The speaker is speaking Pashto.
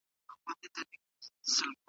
ایا هغه به پخپله اوږه ډېري مڼې وړي؟